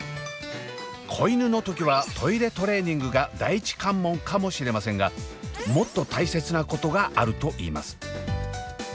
子犬の時はトイレトレーニングが第一関門かもしれませんがもっと大切なことがあるといいます。